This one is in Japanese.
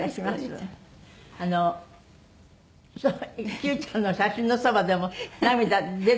九ちゃんの写真のそばでも涙出る？